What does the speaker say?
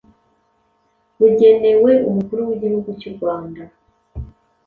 bugenewe umukuru w’igihugu cy,urwanda